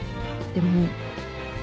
でも？